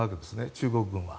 中国軍は。